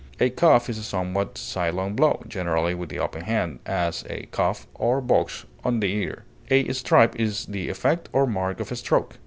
A cuff is a somewhat sidelong blow, generally with the open hand; as, a cuff or box on the ear. A stripe is the effect or mark of a stroke.